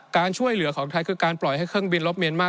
การช่วยเหลือของไทยคือการปล่อยให้เครื่องบินลบเมียนมาร์